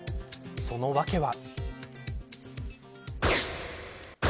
その訳は。